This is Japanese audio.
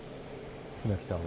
船木さんは？